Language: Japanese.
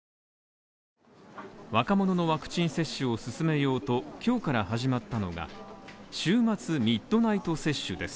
若者のワクチン接種を進めようと今日から始まったのが週末ミッドナイト接種です。